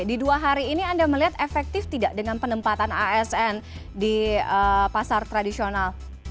di dua hari ini anda melihat efektif tidak dengan penempatan asn di pasar tradisional